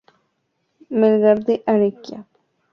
Melgar de Arequipa.